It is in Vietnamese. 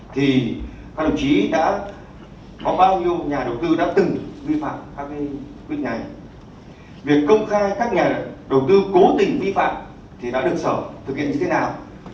thì các đồng chí đã có bao nhiêu nhà đầu tư đã từng vi phạm các quyết nhành